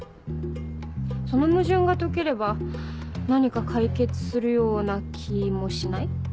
その矛盾が解ければ何か解決するような気もしない？